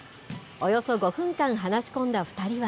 およそ５分間話し込んだ２人は。